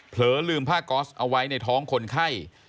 ลืมผ้าก๊อสเอาไว้ในท้องคนไข้